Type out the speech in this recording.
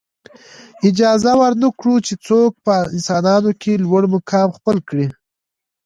اجازه ورنه کړو چې څوک په انسانانو کې لوړ مقام خپل کړي.